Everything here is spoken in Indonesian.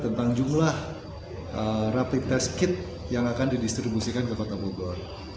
tentang jumlah rapid test kit yang akan didistribusikan ke kota bogor